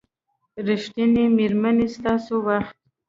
ریښتینې میرمنې ستاسو وخت